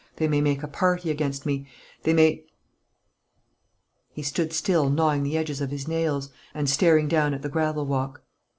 They may make a party against me; they may " He stood still, gnawing the edges of his nails, and staring down at the gravel walk.